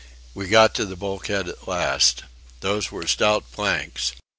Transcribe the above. We got to the bulkhead at last. Those were stout planks.